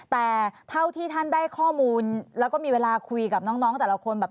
แต่เท่าที่ท่านได้ข้อมูลแล้วก็มีเวลาคุยกับน้องแต่ละคนแบบ